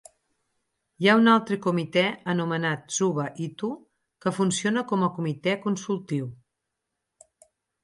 Hi ha un altre comitè anomenat "Zuba-hitu" que funciona com a comitè consultiu.